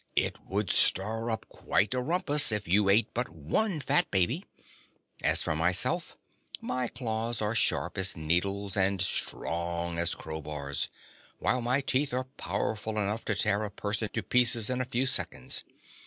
"It would stir up quite a rumpus if you ate but one fat baby. As for myself; my claws are sharp as needles and strong as crowbars, while my teeth are powerful enough to tear a person to pieces in a few seconds.